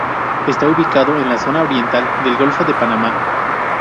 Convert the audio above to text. Está ubicado en la zona oriental del golfo de Panamá.